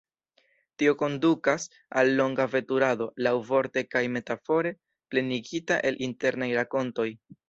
Tio kondukas al longa veturado, laŭvorte kaj metafore, plenigita el internaj rakontoj.